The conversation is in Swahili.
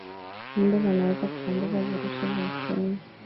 mbu wanaweza kusambaza virusi vya ukimwi